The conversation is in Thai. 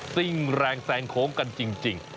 ซิ่งแรงแซงโค้งกันจริง